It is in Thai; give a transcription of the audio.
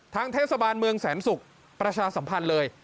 เทศบาลเมืองแสนศุกร์ประชาสัมพันธ์เลย